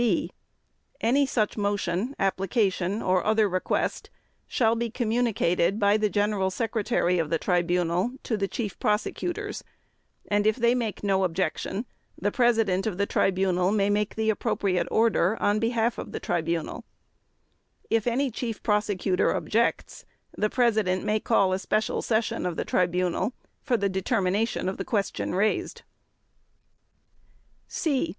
(b) Any such motion, application or other request shall be communicated by the General Secretary of the Tribunal to the Chief Prosecutors and, if they make no objection, the President of the Tribunal may make the appropriate order on behalf of the Tribunal. If any Chief Prosecutor objects, the President may call a special session of the Tribunal for the determination of the question raised.